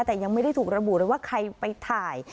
แต่ยังไม่ได้ถูกระบุเลยว่าใครไปถ่าย